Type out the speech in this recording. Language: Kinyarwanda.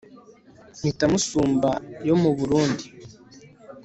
Mpita Musumba yo mu Burundi